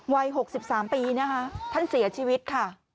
วัย๖๓ปีนะคะท่านเสียชีวิตค่ะ